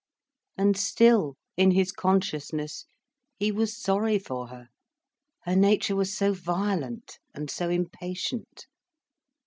And still, in his consciousness, he was sorry for her, her nature was so violent and so impatient.